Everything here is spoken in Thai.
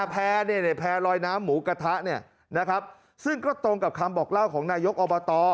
แพร่ลอยน้ำหมูกระทะเนี่ยนะครับซึ่งก็ตรงกับคำบอกเล่าของนายกอบต